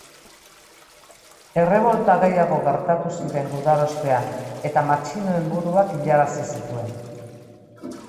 Errebolta gehiago gertatu ziren gudarostean, eta matxinoen buruak hilarazi zituen.